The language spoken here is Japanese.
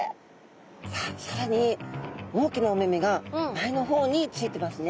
さあさらに大きなお目目が前の方についてますね。